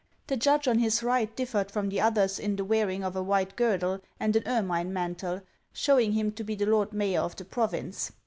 The judge on his right differed from the others in the wearing of a white girdle and an ermine mantle, showing him to be the lord mayor of the province.